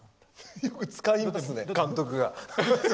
よく使いますよね、監督が。